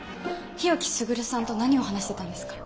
日置優さんと何を話してたんですか？